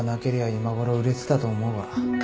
今ごろ売れてたと思うが。